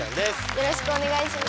よろしくお願いします。